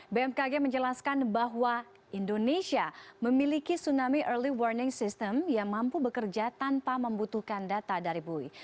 bmkg menjelaskan bahwa indonesia memiliki tsunami early warning system yang mampu bekerja tanpa membutuhkan data dari bui